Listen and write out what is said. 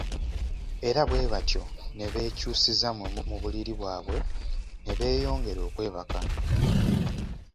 Era bwe batyo ne beekyusiza mu buliri bwabwe ne beeyongera okwebaka.